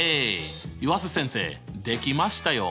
湯浅先生できましたよ。